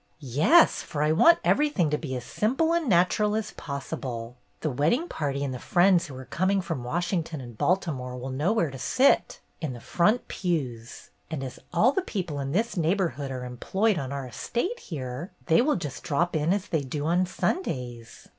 "Yes, for I want everything to be as simple and natural as possible. The wedding party and the friends who are coming from Wash ington and Baltimore will know where to sit, in the front pews, and as all the people in this neighborhood are employed on our estate here, they will just drop in as they do on Sundays."